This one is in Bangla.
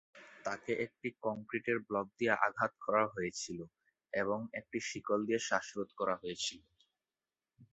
তাকে একটি কংক্রিটের ব্লক দিয়ে আঘাত করা হয়েছিল এবং একটি শিকল দিয়ে শ্বাসরোধ করা হয়েছিল।